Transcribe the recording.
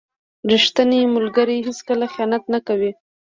• ریښتینی ملګری هیڅکله خیانت نه کوي.